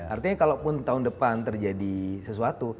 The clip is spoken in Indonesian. artinya kalaupun tahun depan terjadi sesuatu